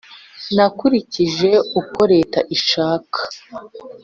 Nakurikije uko Leta ishaka.